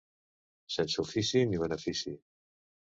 Sense ofici ni benefici.